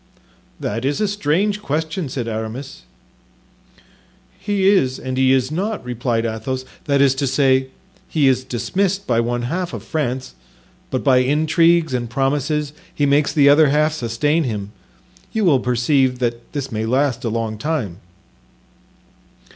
"That is a strange question," said Aramis. "He is and he is not," replied Athos; "that is to say, he is dismissed by one half of France, but by intrigues and promises he makes the other half sustain him; you will perceive that this may last a long time."